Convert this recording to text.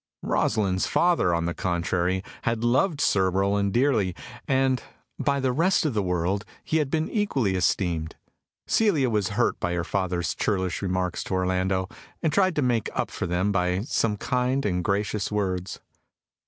Rosalind's father, on the contrary, had loved Sir Rowland dearly, and by the rest of the world he had been equally esteemed. Celia was hurt by her father's churlish remarks to Orlando, and tried to make up for them by some kind and gracious words.